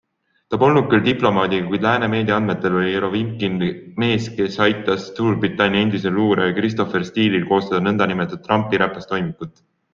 Ta polnud küll diplomaadiga, kuid lääne meedia andmetel oli Jerovinkin mees, kes aitas Suurbritannia endisel luurajal Christopher Steele'il koostada nõndanimetatud Trumpi räpast toimikut.